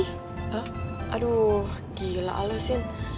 hah aduh gila aloh sin